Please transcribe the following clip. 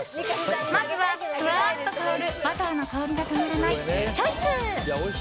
まずは、ふわっと香るバターの香りがたまらないチョイス。